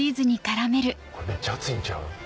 めっちゃ熱いんちゃう？